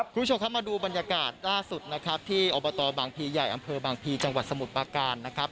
คุณผู้ชมครับมาดูบรรยากาศล่าสุดนะครับที่อบตบางพีใหญ่อำเภอบางพีจังหวัดสมุทรปาการนะครับ